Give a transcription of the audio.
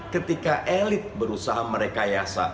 ketika elit berusaha merekayasa